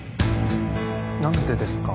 何でですか？